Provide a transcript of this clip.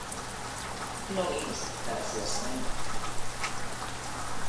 Non imos aceptar as súas emendas.